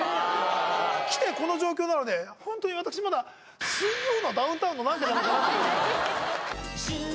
来てこの状況なので、本当に私、まだ「水曜日のダウンタウン」じゃないかって。